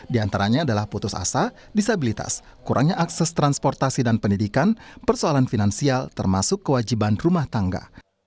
di antaranya adalah putus asa disabilitas kurangnya akses transportasi dan pendidikan persoalan finansial termasuk kewajiban rumah tangga